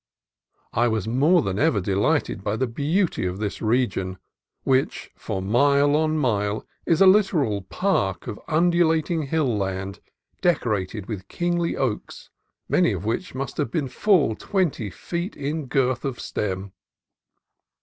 I was more than ever delighted by the beauty of this region, which for mile on mile is a literal park of undulating hill land decorated with kingly oaks, many of which must be full twenty feet in girth of stem.